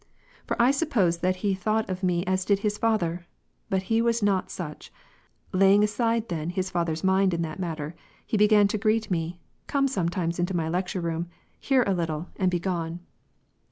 For I supposed that he tliought of me as did his father ; but he was not such ; laying aside then his father's mind in that matter, he began to greet me, come sometimes into my lec ture room, hear a little, and be gone.